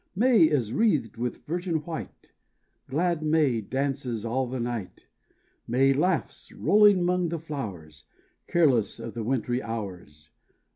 May is wreathed with virgin white; Glad May dances all the night; May laughs, rolling 'mong the flowers, Careless of the wintry hours.